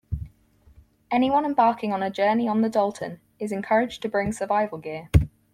Anyone embarking on a journey on the Dalton is encouraged to bring survival gear.